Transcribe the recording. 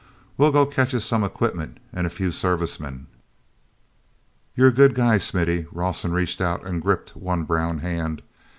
We'll go catch us some equipment and a few service men—" "You're a good guy, Smithy," Rawson reached out and gripped one brown hand.